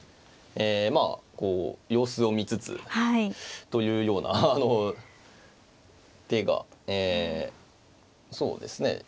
まあこう様子を見つつというような手がそうですね